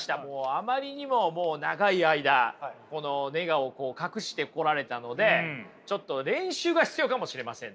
あまりにも長い間ネガを隠してこられたのでちょっと練習が必要かもしれませんね。